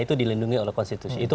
itu dilindungi oleh konstitusi itu